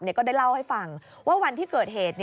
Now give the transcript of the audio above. ก็ได้เล่าให้ฟังว่าวันที่เกิดเหตุ